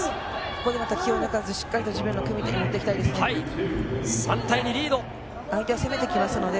ここでまた気を抜かず、しっかりと自分の組み手、持っていきたいですね。